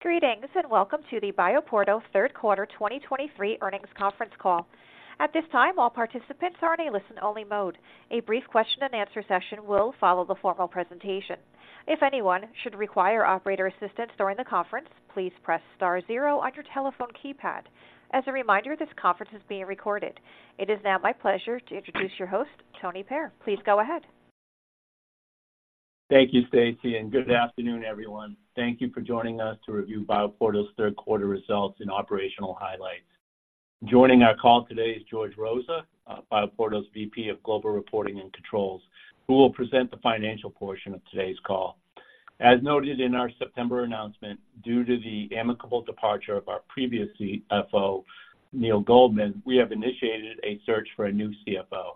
Greetings, and welcome to the BioPorto third quarter 2023 earnings conference call. At this time, all participants are in a listen-only mode. A brief question and answer session will follow the formal presentation. If anyone should require operator assistance during the conference, please press star zero on your telephone keypad. As a reminder, this conference is being recorded. It is now my pleasure to introduce your host, Tony Pare. Please go ahead. Thank you, Stacy, and good afternoon, everyone. Thank you for joining us to review BioPorto's third quarter results and operational highlights. Joining our call today is George Rosa, BioPorto's VP of Global Reporting and Controls, who will present the financial portion of today's call. As noted in our September announcement, due to the amicable departure of our previous CFO, Neil Goldman, we have initiated a search for a new CFO.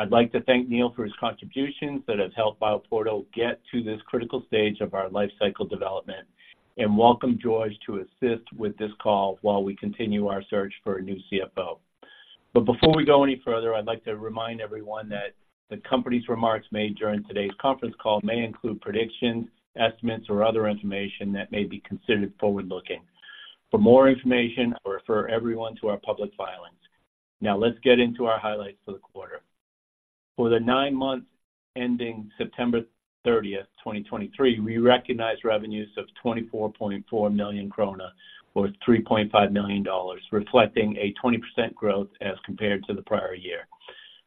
I'd like to thank Neil for his contributions that have helped BioPorto get to this critical stage of our lifecycle development, and welcome George to assist with this call while we continue our search for a new CFO. Before we go any further, I'd like to remind everyone that the company's remarks made during today's conference call may include predictions, estimates, or other information that may be considered forward-looking. For more information, I refer everyone to our public filings. Now, let's get into our highlights for the quarter. For the nine months ending September 30th, 2023, we recognized revenues of 24.4 million krone, or $3.5 million, reflecting a 20% growth as compared to the prior year.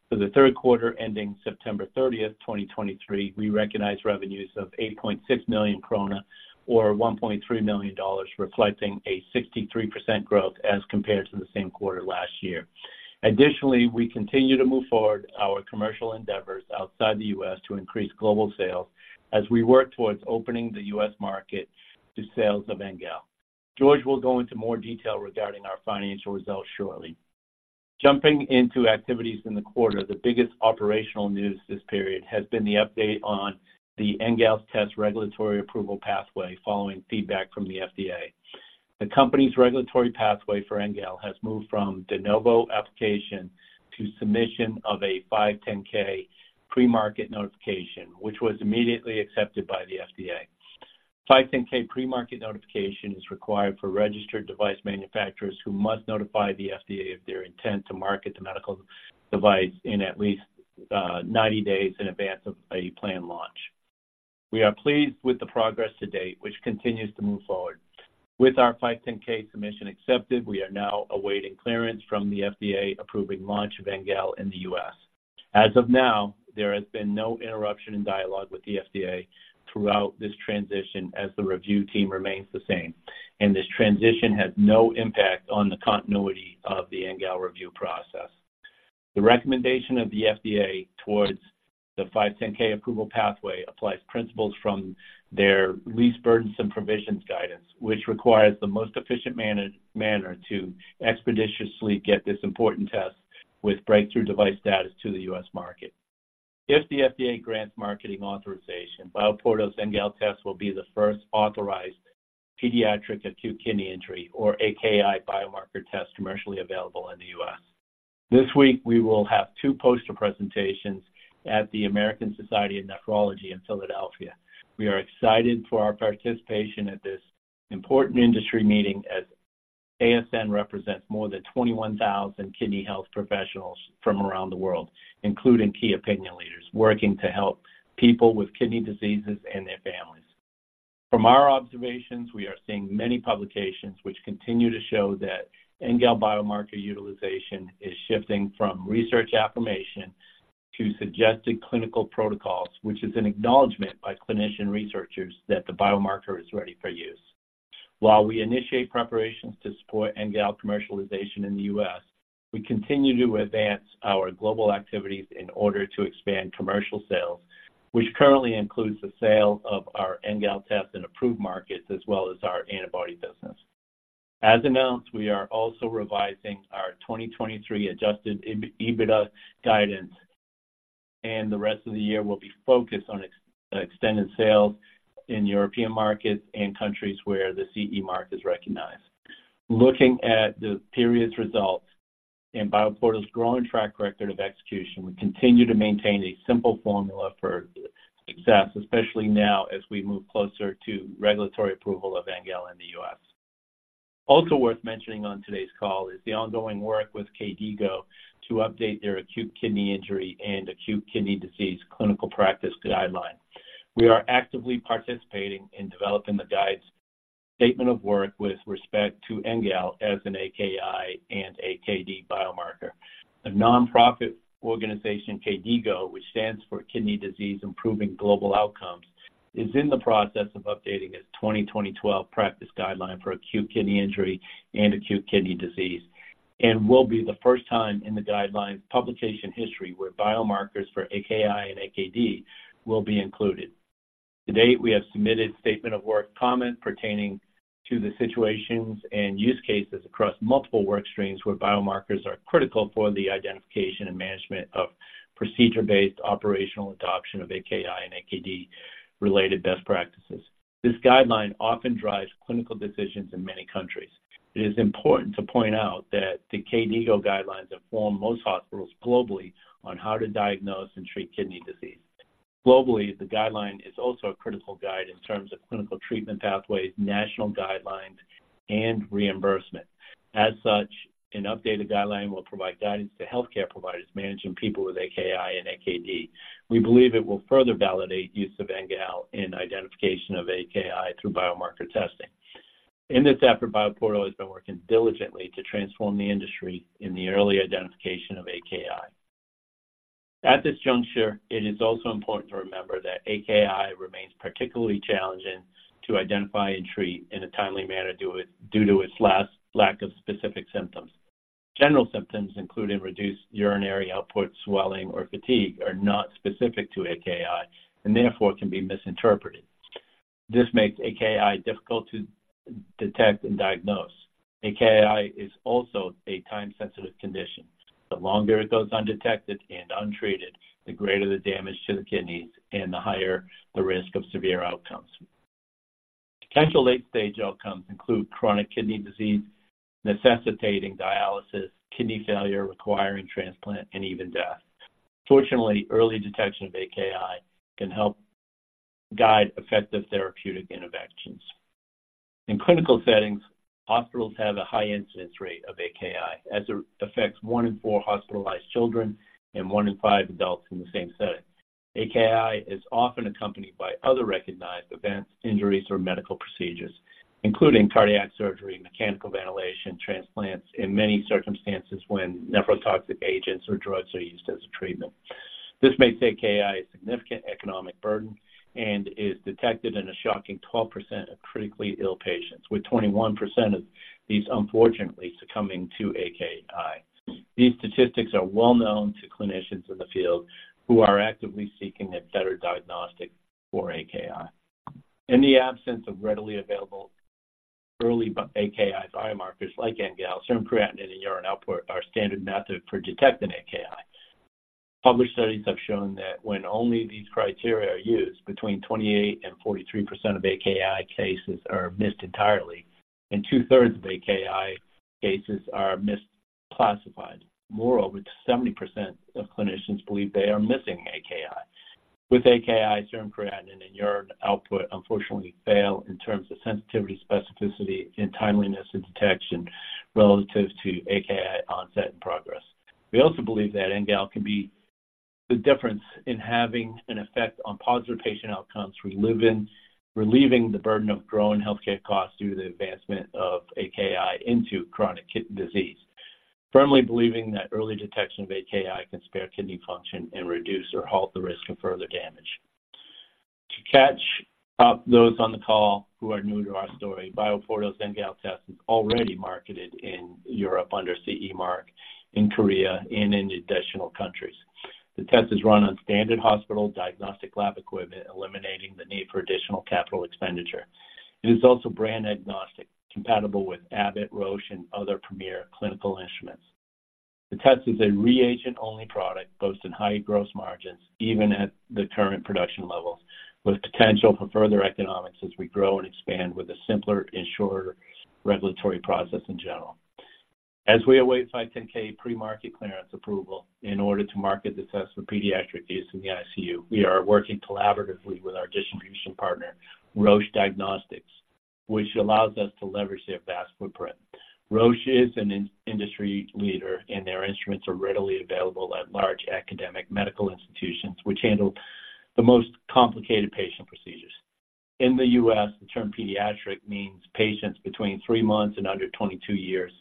For the third quarter, ending September 30th, 2023, we recognized revenues of 8.6 million krone, or $1.3 million, reflecting a 63% growth as compared to the same quarter last year. Additionally, we continue to move forward our commercial endeavors outside the U.S. to increase global sales as we work towards opening the U.S. market to sales of NGAL. George will go into more detail regarding our financial results shortly. Jumping into activities in the quarter, the biggest operational news this period has been the update on the NGAL Test regulatory approval pathway following feedback from the FDA. The company's regulatory pathway for NGAL has moved from De Novo application to submission of a 510(k) premarket notification, which was immediately accepted by the FDA. 510(k) premarket notification is required for registered device manufacturers who must notify the FDA of their intent to market the medical device at least 90 days in advance of a planned launch. We are pleased with the progress to date, which continues to move forward. With our 510(k) submission accepted, we are now awaiting clearance from the FDA approving launch of NGAL in the U.S. As of now, there has been no interruption in dialogue with the FDA throughout this transition as the review team remains the same, and this transition has no impact on the continuity of the NGAL review process. The recommendation of the FDA towards the 510(k) approval pathway applies principles from their least burdensome provisions guidance, which requires the most efficient manner to expeditiously get this important test with breakthrough device status to the U.S. market. If the FDA grants Marketing Authorization, BioPorto's NGAL Test will be the first authorized pediatric acute kidney injury, or AKI, biomarker test commercially available in the U.S. This week, we will have two poster presentations at the American Society of Nephrology in Philadelphia. We are excited for our participation at this important industry meeting, as ASN represents more than 21,000 kidney health professionals from around the world, including key opinion leaders working to help people with kidney diseases and their families. From our observations, we are seeing many publications which continue to show that NGAL biomarker utilization is shifting from research affirmation to suggested clinical protocols, which is an acknowledgment by clinician researchers that the biomarker is ready for use. While we initiate preparations to support NGAL commercialization in the U.S., we continue to advance our global activities in order to expand commercial sales, which currently includes the sale of our NGAL test in approved markets, as well as our antibody business. As announced, we are also revising our 2023 adjusted EBITDA guidance, and the rest of the year will be focused on extended sales in European markets and countries where the CE mark is recognized. Looking at the period's results and BioPorto's growing track record of execution, we continue to maintain a simple formula for success, especially now as we move closer to regulatory approval of NGAL in the U.S. Also worth mentioning on today's call is the ongoing work with KDIGO to update their acute kidney injury and acute kidney disease clinical practice guideline. We are actively participating in developing the guide's statement of work with respect to NGAL as an AKI and AKD biomarker. The nonprofit organization, KDIGO, which stands for Kidney Disease Improving Global Outcomes, is in the process of updating its 2012 practice guideline for acute kidney injury and acute kidney disease and will be the first time in the guidelines publication history where biomarkers for AKI and AKD will be included. To date, we have submitted statement of work comment pertaining to the situations and use cases across multiple work streams, where biomarkers are critical for the identification and management of procedure-based operational adoption of AKI and AKD-related best practices. This guideline often drives clinical decisions in many countries. It is important to point out that the KDIGO guidelines inform most hospitals globally on how to diagnose and treat kidney disease. Globally, the guideline is also a critical guide in terms of clinical treatment pathways, national guidelines, and reimbursement. As such, an updated guideline will provide guidance to healthcare providers managing people with AKI and AKD. We believe it will further validate use of NGAL in identification of AKI through biomarker testing. In this effort, BioPorto has been working diligently to transform the industry in the early identification of AKI. At this juncture, it is also important to remember that AKI remains particularly challenging to identify and treat in a timely manner due to its lack of specific symptoms. General symptoms, including reduced urinary output, swelling, or fatigue, are not specific to AKI and therefore can be misinterpreted. This makes AKI difficult to detect and diagnose. AKI is also a time-sensitive condition. The longer it goes undetected and untreated, the greater the damage to the kidneys and the higher the risk of severe outcomes. Potential late-stage outcomes include chronic kidney disease, necessitating dialysis, kidney failure requiring transplant, and even death. Fortunately, early detection of AKI can help guide effective therapeutic interventions. In clinical settings, hospitals have a high incidence rate of AKI, as it affects 1:4 hospitalized children and 1:5 adults in the same setting. AKI is often accompanied by other recognized events, injuries, or medical procedures, including cardiac surgery, mechanical ventilation, transplants, in many circumstances when nephrotoxic agents or drugs are used as a treatment. This makes AKI a significant economic burden and is detected in a shocking 12% of critically ill patients, with 21% of these unfortunately succumbing to AKI. These statistics are well known to clinicians in the field who are actively seeking a better diagnostic for AKI. In the absence of readily available early AKI biomarkers like NGAL, serum creatinine, and urine output are standard method for detecting AKI. Published studies have shown that when only these criteria are used, between 28% and 43% of AKI cases are missed entirely, and 2/3 of AKI cases are misclassified. Moreover, 70% of clinicians believe they are missing AKI. With AKI, serum creatinine and urine output unfortunately fail in terms of sensitivity, specificity, and timeliness of detection relative to AKI onset and progress. We also believe that NGAL can be the difference in having an effect on positive patient outcomes, relieving the burden of growing healthcare costs due to the advancement of AKI into chronic kidney disease. Firmly believing that early detection of AKI can spare kidney function and reduce or halt the risk of further damage. To catch up those on the call who are new to our story, BioPorto's NGAL test is already marketed in Europe under CE mark, in Korea and in additional countries. The test is run on standard hospital diagnostic lab equipment, eliminating the need for additional capital expenditure. It is also brand agnostic, compatible with Abbott, Roche, and other premier clinical instruments. The test is a reagent-only product, boasts high gross margins even at the current production levels, with potential for further economics as we grow and expand, with a simpler and shorter regulatory process in general. As we await 510(k) premarket clearance approval in order to market the test for pediatric use in the ICU, we are working collaboratively with our distribution partner, Roche Diagnostics, which allows us to leverage their vast footprint. Roche is an industry leader, and their instruments are readily available at large academic medical institutions, which handle the most complicated patient procedures. In the U.S., the term pediatric means patients between three months and under 22 years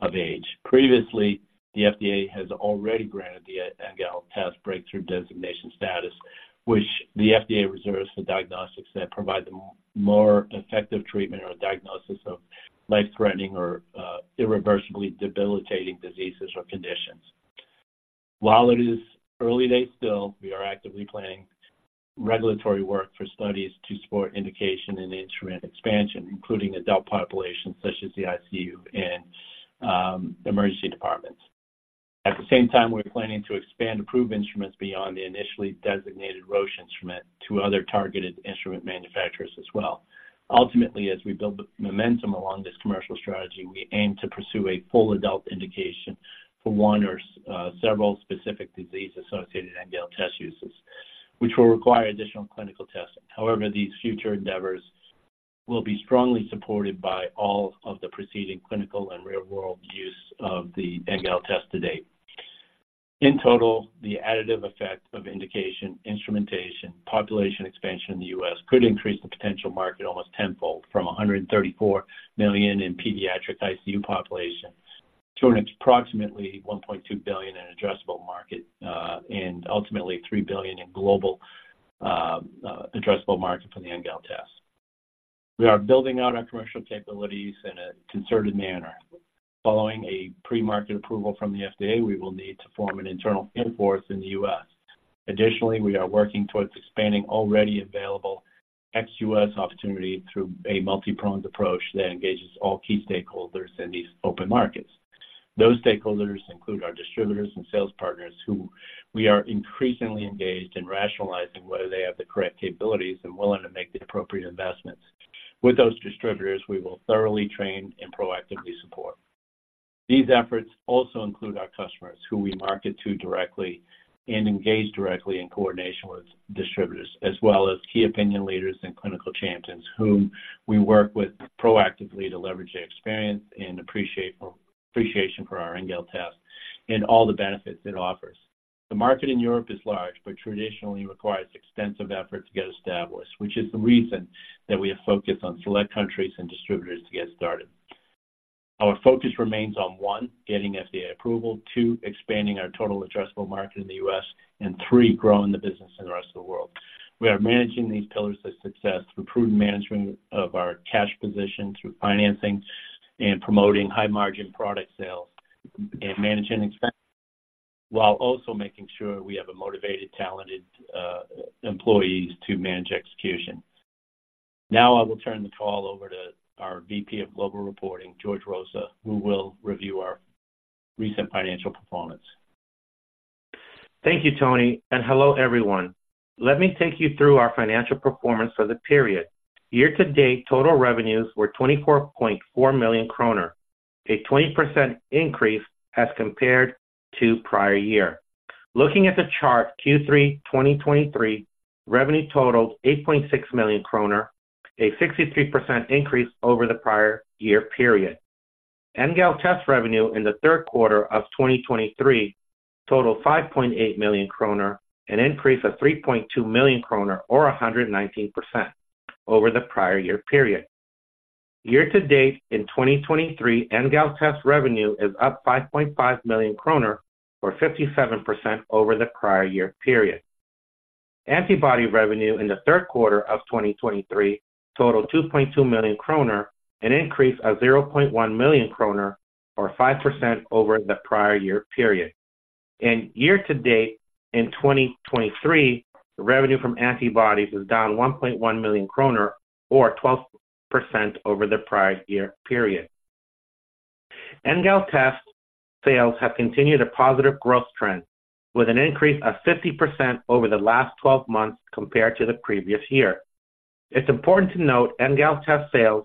of age. Previously, the FDA has already granted the NGAL Test breakthrough designation status, which the FDA reserves for diagnostics that provide the more effective treatment or diagnosis of life-threatening or irreversibly debilitating diseases or conditions. While it is early days still, we are actively planning regulatory work for studies to support indication and instrument expansion, including adult populations such as the ICU and emergency departments. At the same time, we're planning to expand approved instruments beyond the initially designated Roche instrument to other targeted instrument manufacturers as well. Ultimately, as we build the momentum along this commercial strategy, we aim to pursue a full adult indication for one or several specific disease-associated NGAL test uses, which will require additional clinical testing. However, these future endeavors will be strongly supported by all of the preceding clinical and real-world use of the NGAL test to date. In total, the additive effect of indication, instrumentation, population expansion in the U.S. could increase the potential market almost tenfold, from $134 million in pediatric ICU populations to an approximately $1.2 billion in addressable market, and ultimately $3 billion in global addressable market for the NGAL test. We are building out our commercial capabilities in a concerted manner. Following a pre-market approval from the FDA, we will need to form an internal sales force in the U.S. Additionally, we are working towards expanding already available ex-U.S. opportunity through a multipronged approach that engages all key stakeholders in these open markets. Those stakeholders include our distributors and sales partners, who we are increasingly engaged in rationalizing whether they have the correct capabilities and willing to make the appropriate investments. With those distributors, we will thoroughly train and proactively support. These efforts also include our customers, who we market to directly and engage directly in coordination with distributors, as well as key opinion leaders and clinical champions, whom we work with proactively to leverage their experience and appreciation for our NGAL test and all the benefits it offers. The market in Europe is large, but traditionally requires extensive effort to get established, which is the reason that we have focused on select countries and distributors to get started. Our focus remains on one, getting FDA approval, two, expanding our total addressable market in the U.S., and three, growing the business in the rest of the world. We are managing these pillars of success through prudent management of our cash position, through financing and promoting high-margin product sales, and managing expenses, while also making sure we have a motivated, talented employees to manage execution. Now, I will turn the call over to our VP of Global Reporting, George Rosa, who will review our recent financial performance. Thank you, Tony, and hello, everyone. Let me take you through our financial performance for the period. Year to date, total revenues were 24.4 million kroner, a 20% increase as compared to prior year. Looking at the chart, Q3 2023, revenue totaled 8.6 million kroner, a 63% increase over the prior year period. NGAL test revenue in the third quarter of 2023 totaled 5.8 million kroner, an increase of 3.2 million kroner, or 119% over the prior year period. Year to date, in 2023, NGAL test revenue is up 5.5 million kroner, or 57% over the prior year period. Antibody revenue in the third quarter of 2023 totaled 2.2 million kroner, an increase of 0.1 million kroner, or 5% over the prior year period. Year to date, in 2023, revenue from antibodies is down 1.1 million kroner, or 12% over the prior year period. NGAL Test sales have continued a positive growth trend, with an increase of 50% over the last 12 months compared to the previous year. It's important to note, NGAL test sales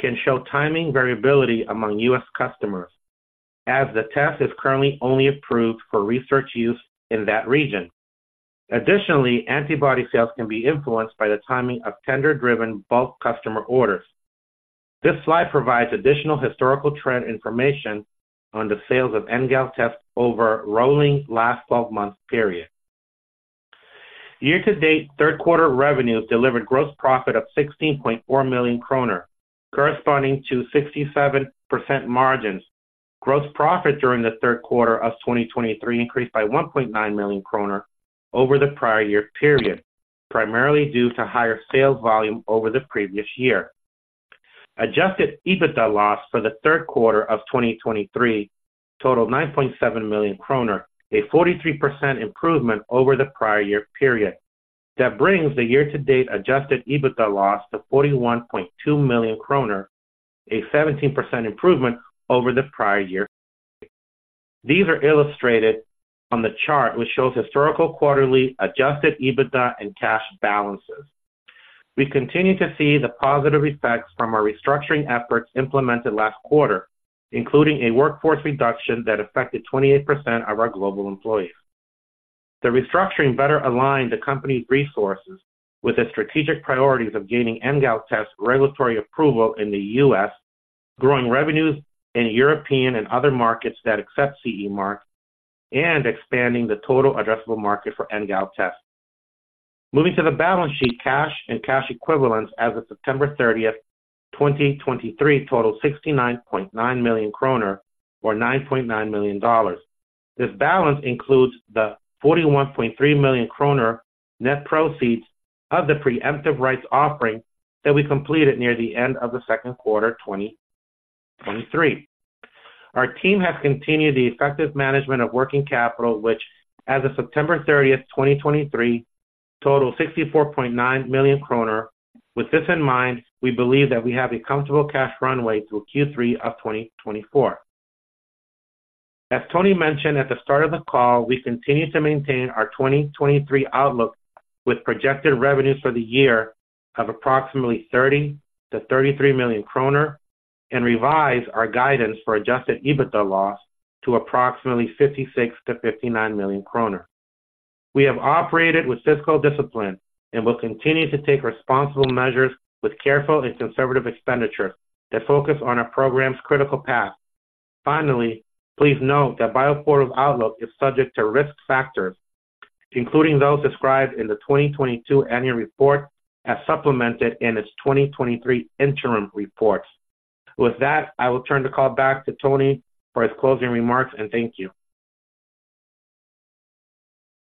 can show timing variability among U.S. customers, as the test is currently only approved for research use in that region. Additionally, antibody sales can be influenced by the timing of tender-driven bulk customer orders. This slide provides additional historical trend information on the sales of NGAL tests over rolling last 12-month period. Year to date, third quarter revenues delivered gross profit of 16.4 million kroner, corresponding to 67% margins. Gross profit during the third quarter of 2023 increased by 1.9 million kroner over the prior year period, primarily due to higher sales volume over the previous year. Adjusted EBITDA loss for the third quarter of 2023 totaled 9.7 million kroner, a 43% improvement over the prior year period. That brings the year-to-date adjusted EBITDA loss to 41.2 million kroner, a 17% improvement over the prior year. These are illustrated on the chart, which shows historical quarterly adjusted EBITDA and cash balances. We continue to see the positive effects from our restructuring efforts implemented last quarter, including a workforce reduction that affected 28% of our global employees. The restructuring better aligned the company's resources with the strategic priorities of gaining NGAL Test regulatory approval in the U.S., growing revenues in European and other markets that accept CE mark, and expanding the total addressable market for NGAL Test. Moving to the balance sheet, cash and cash equivalents as of September 30th, 2023, totaled 69.9 million kroner, or $9.9 million. This balance includes the 41.3 million kroner net proceeds of the preemptive rights offering that we completed near the end of the second quarter, 2023. Our team has continued the effective management of working capital, which, as of September 30th, 2023, totaled 64.9 million kroner. With this in mind, we believe that we have a comfortable cash runway through Q3 of 2024. As Tony mentioned at the start of the call, we continue to maintain our 2023 outlook, with projected revenues for the year of approximately 30 million-33 million kroner and revise our guidance for adjusted EBITDA loss to approximately 56 million-59 million kroner. We have operated with fiscal discipline and will continue to take responsible measures with careful and conservative expenditures that focus on our program's critical path. Finally, please note that BioPorto's outlook is subject to risk factors, including those described in the 2022 annual report, as supplemented in its 2023 interim reports. With that, I will turn the call back to Tony for his closing remarks, and thank you.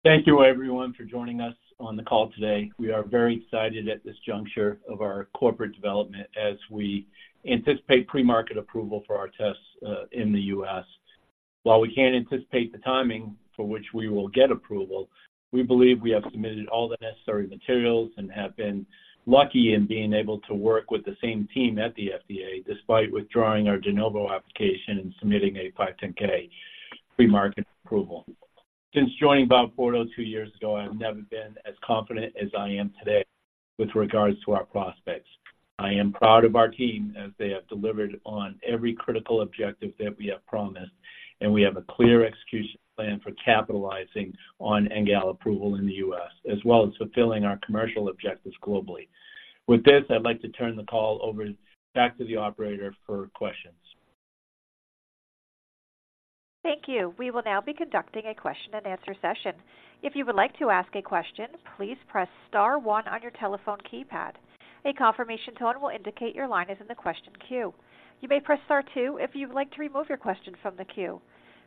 Thank you, everyone, for joining us on the call today. We are very excited at this juncture of our corporate development as we anticipate pre-market approval for our tests in the U.S. While we can't anticipate the timing for which we will get approval, we believe we have submitted all the necessary materials and have been lucky in being able to work with the same team at the FDA, despite withdrawing our De Novo application and submitting a 510(k) pre-market approval. Since joining BioPorto two years ago, I've never been as confident as I am today with regards to our prospects. I am proud of our team, as they have delivered on every critical objective that we have promised, and we have a clear execution plan for capitalizing on NGAL approval in the U.S., as well as fulfilling our commercial objectives globally. With this, I'd like to turn the call over back to the operator for questions. Thank you. We will now be conducting a question and answer session. If you would like to ask a question, please press star one on your telephone keypad. A confirmation tone will indicate your line is in the question queue. You may press star two if you'd like to remove your question from the queue.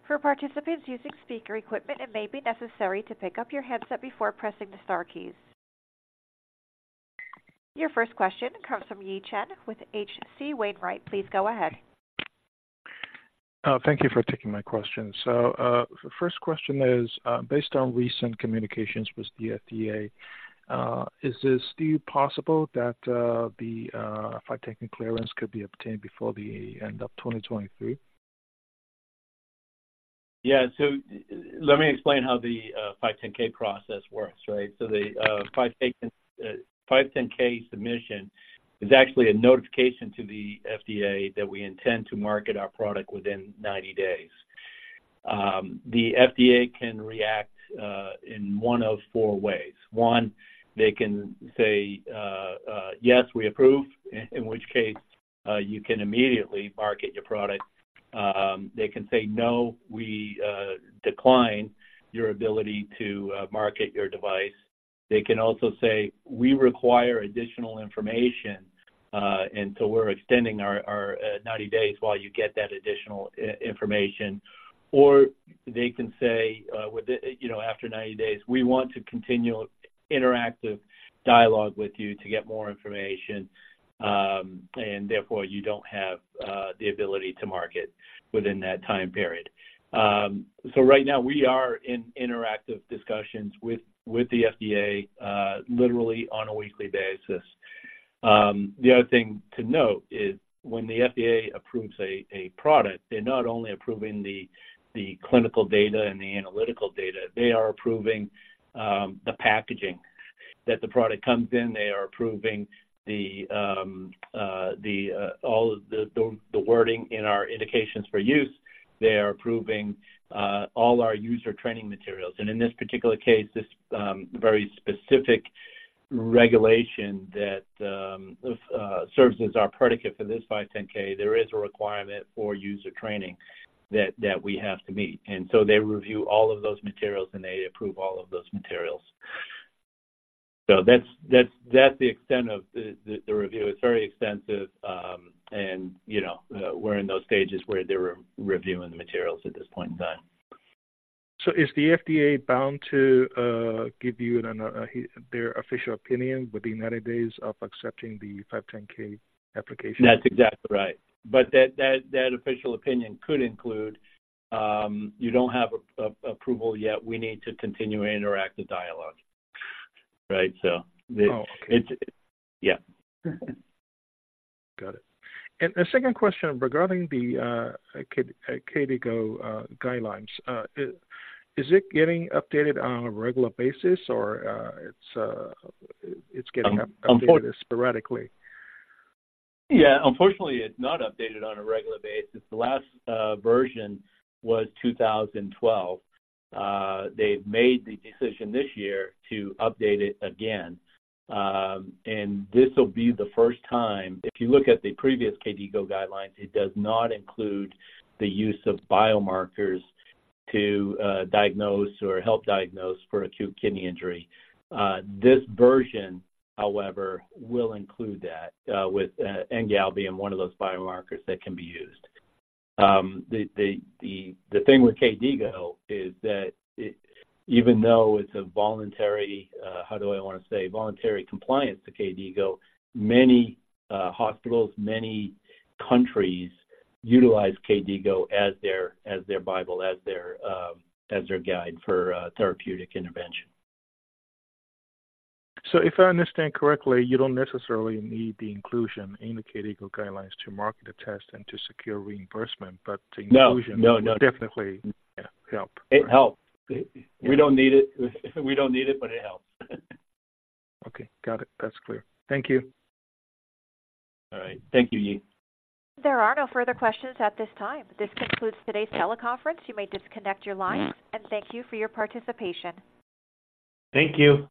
For participants using speaker equipment, it may be necessary to pick up your headset before pressing the star keys. Your first question comes from Yi Chen with H.C. Wainwright. Please go ahead. Thank you for taking my question. So, the first question is, based on recent communications with the FDA, is this still possible that the 510(k) clearance could be obtained before the end of 2023? Yeah. So let me explain how the 510(k) process works, right? So the 510(k) submission is actually a notification to the FDA that we intend to market our product within 90 days. The FDA can react in one of four ways. One, they can say, "Yes, we approve," in which case, you can immediately market your product. They can say, "No, we decline your ability to market your device." They can also say, "We require additional information, and so we're extending our 90 days while you get that additional information." Or they can say, you know, after 90 days, "We want to continue interactive dialogue with you to get more information, and therefore you don't have the ability to market within that time period." So right now, we are in interactive discussions with the FDA, literally on a weekly basis. The other thing to note is when the FDA approves a product, they're not only approving the clinical data and the analytical data, they are approving the packaging that the product comes in. They are approving all of the wording in our indications for use. They are approving all our user training materials, and in this particular case, this very specific regulation that serves as our predicate for this 510(k), there is a requirement for user training that we have to meet. And so they review all of those materials, and they approve all of those materials. So that's the extent of the review. It's very extensive, and, you know, we're in those stages where they're re-reviewing the materials at this point in time. So is the FDA bound to give you their official opinion within 90 days of accepting the 510(k) application? That's exactly right. But that official opinion could include, "You don't have a approval yet. We need to continue interactive dialogue." Right? So Oh, okay. It's...Yeah. Mm-hmm. Got it. A second question regarding the KDIGO guidelines. Is it getting updated on a regular basis, or it's getting Un- updated sporadically? Yeah, unfortunately, it's not updated on a regular basis. The last version was 2012. They've made the decision this year to update it again, and this will be the first time. If you look at the previous KDIGO guidelines, it does not include the use of biomarkers to diagnose or help diagnose for acute kidney injury. This version, however, will include that, with NGAL being one of those biomarkers that can be used. The thing with KDIGO is that it, even though it's a voluntary, how do I want to say? Voluntary compliance to KDIGO, many hospitals, many countries utilize KDIGO as their bible, as their guide for therapeutic intervention. If I understand correctly, you don't necessarily need the inclusion in the KDIGO guidelines to market a test and to secure reimbursement, but the No, no, no. inclusion will definitely help. It helps. We don't need it. We don't need it, but it helps. Okay, got it. That's clear. Thank you. All right. Thank you, Yi. There are no further questions at this time. This concludes today's teleconference. You may disconnect your line, and thank you for your participation. Thank you.